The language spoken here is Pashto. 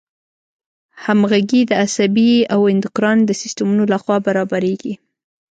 همغږي د عصبي او اندوکراین د سیستمونو له خوا برابریږي.